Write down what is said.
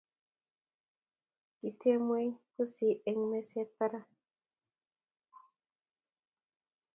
kitemweny pusi eng meset barak